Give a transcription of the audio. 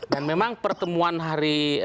dan memang pertemuan hari